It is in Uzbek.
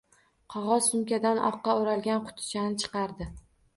Qog`oz sumkadan oqqa o`ralgan qutichani chiqardi